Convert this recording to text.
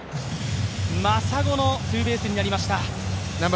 真砂のツーベースになりました。